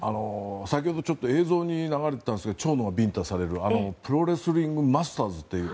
先ほど、ちょっと映像に流れていたんですが蝶野にビンタされるプロレスリングマスターズっていう。